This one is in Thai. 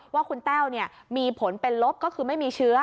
ว่าคุณแต้วมีผลเป็นลบก็คือไม่มีเชื้อ